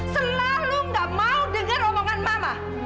selalu gak mau dengar omongan mama